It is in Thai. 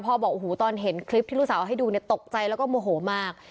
บอกโอ้โหตอนเห็นคลิปที่ลูกสาวให้ดูเนี่ยตกใจแล้วก็โมโหมาก